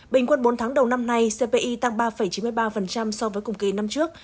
bình quân bốn tháng đầu năm nay cpi tăng ba chín mươi ba so với cùng kỳ năm trước